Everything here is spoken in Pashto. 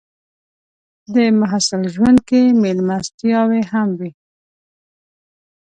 د محصل ژوند کې مېلمستیاوې هم وي.